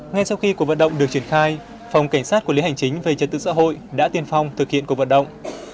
ngay sau khi cuộc vận động được triển khai phòng cảnh sát quản lý hành chính về trật tự xã hội đã tiên phong thực hiện cuộc vận động